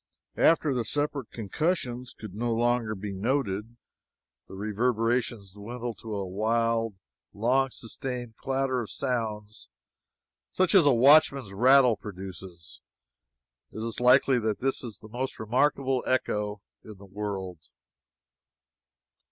After the separate concussions could no longer be noted, the reverberations dwindled to a wild, long sustained clatter of sounds such as a watchman's rattle produces. It is likely that this is the most remarkable echo in the world.